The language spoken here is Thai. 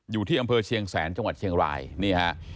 อยู่ที่อำเภอเชียงแสนจังหวัดเชียงรายนี่ฮะ